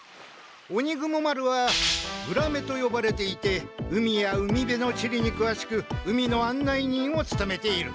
鬼蜘蛛丸は浦眼とよばれていて海や海辺の地理にくわしく海の案内人をつとめている。